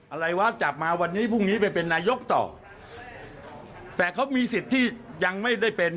อะไรวะจับมาวันนี้พรุ่งนี้ไปเป็นนายกต่อแต่เขามีสิทธิ์ที่ยังไม่ได้เป็น